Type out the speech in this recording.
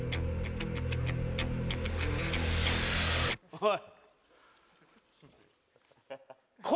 おい。